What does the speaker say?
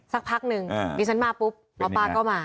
สักพักนึงดิฉันมาปุ๊บหมอปลาก็มา